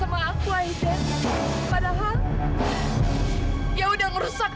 kalau aku tidak bisa hidup lagi zak